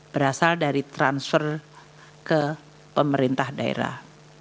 berasal dari transfer ke pemerintah daerah